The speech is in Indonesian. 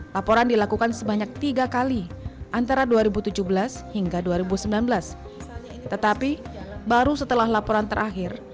laporan dilakukan sebanyak tiga kali antara dua ribu tujuh belas hingga dua ribu sembilan belas tetapi baru setelah laporan terakhir